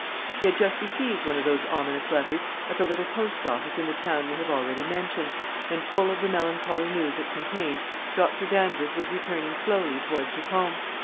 He had just received one of those ominous letters, at the little post office in the town we have already mentioned, and, full of the melancholy news it contained, Dr. Danvers was returning slowly towards his home.